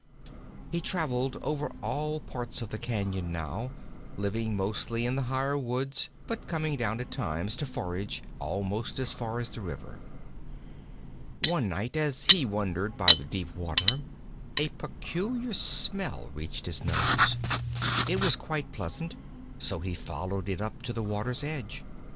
He traveled over all parts of the cañon now, living mostly in the higher woods, but coming down at times to forage almost as far as the river. One night as he wandered by the deep water a peculiar smell reached his nose. It was quite pleasant, so he followed it up to the water's edge.